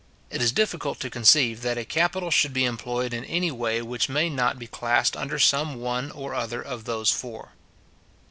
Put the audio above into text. It is difficult to conceive that a capital should be employed in any way which may not be classed under some one or other of those four.